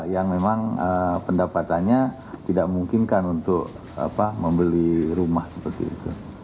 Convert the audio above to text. yang memang pendapatannya tidak memungkinkan untuk membeli rumah seperti itu